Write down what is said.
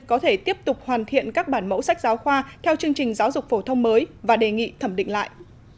có thể tiếp tục hoàn thiện các bản mẫu sách giáo khoa theo chương trình giáo dục phổ thông mới và đề nghị thẩm định lại